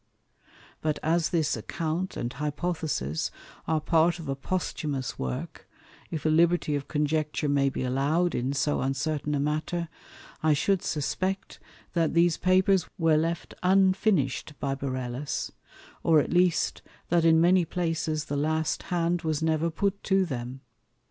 But as this Account and Hypothesis are part of a Posthumous Work (if a liberty of Conjecture may be allow'd in so uncertain a Matter,) I shou'd suspect, that these Papers were left unfinish'd by Borellus; or at least, that in many places the last Hand was never put to them.